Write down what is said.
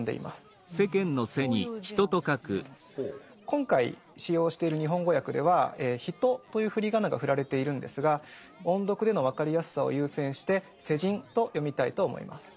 今回使用している日本語訳では「ひと」という振り仮名が振られているんですが音読での分かりやすさを優先して「せじん」と読みたいと思います。